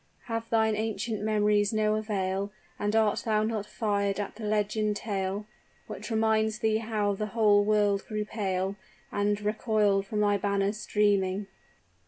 Have thine ancient memories no avail? And art thou not fired at the legend tale Which reminds thee how the whole world grew pale, And recoiled from thy banners streaming?"